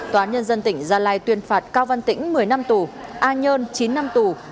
tòa nhân dân tỉnh gia lai tuyên phạt cao văn tĩnh một mươi năm tù an nhơn chín năm tù